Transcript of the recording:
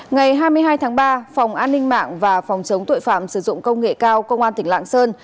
ngày hai mươi hai tháng ba phòng an ninh mạng và phòng chống tội phạm sử dụng công nghệ cao công an tỉnh lạng sơn